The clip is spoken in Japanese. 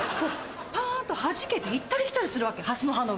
パンとはじけて行ったり来たりするわけハスの葉の上。